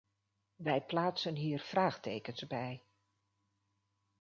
Wij plaatsen hier vraagtekens bij.